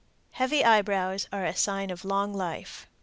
Heavy eyebrows are a sign of long life.